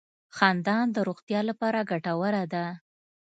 • خندا د روغتیا لپاره ګټوره ده.